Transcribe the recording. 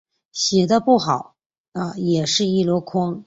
写的不好的也是一箩筐